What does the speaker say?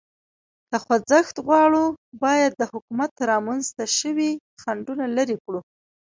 که خوځښت غواړو، باید د حکومت رامنځ ته شوي خنډونه لرې کړو.